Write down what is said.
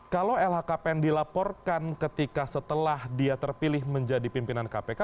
kalau lhkpn dilaporkan ketika setelah dia terpilih menjadi pimpinan kpk